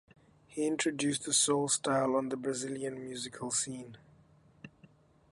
He introduced the soul style on the Brazilian musical scene.